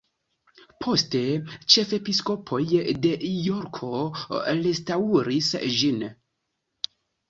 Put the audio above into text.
Poste ĉefepiskopoj de Jorko restaŭris ĝin.